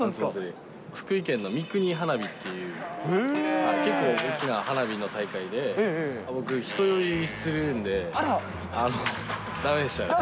福井県の三国花火っていう、結構大きな花火の大会で、僕、人酔いするんで、だめでしたね。